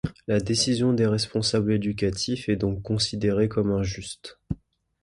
La décision des responsables éducatifs est donc considérée comme injuste.